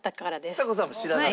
ちさ子さんも知らない。